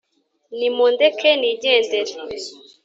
Nimundeke nigendere